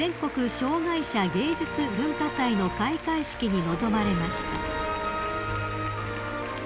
障害者芸術・文化祭の開会式に臨まれました］